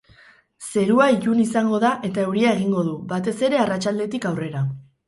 Zerua ilun izango da eta euria egingo du, batez ere arratsaldetik aurrera.